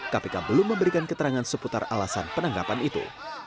kpk belum memberikan keterangan seputar alasan penangkapan itu